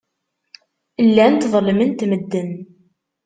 Llant ḍellment medden.